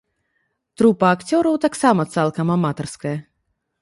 Трупа акцёраў таксама цалкам аматарская.